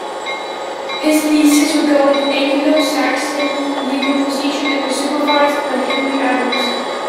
His thesis regarded "Anglo-Saxon Legal Procedure" and was supervised by Henry Adams.